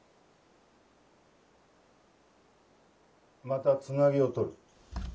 またつなぎをとる。